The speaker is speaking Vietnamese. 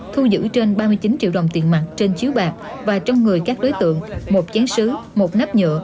thu giữ trên ba mươi chín triệu đồng tiền mặt trên chiếu bạc và trong người các đối tượng một chán sứ một nắp nhựa